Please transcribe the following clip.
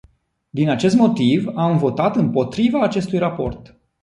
Din acest motiv, am votat împotriva acestui raport.